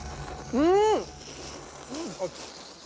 うん！